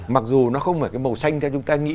mặc dù nó không phải cái màu xanh theo chúng ta nghĩ